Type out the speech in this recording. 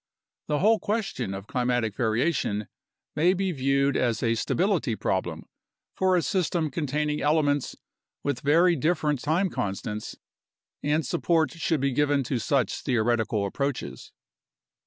The whole question of climatic variation may be viewed as a stability problem for a system containing elements with very different time constants, and support should be given to such theoretical ap proaches.